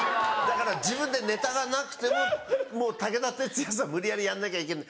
自分でネタがなくてももう武田鉄矢さん無理やりやんなきゃいけない。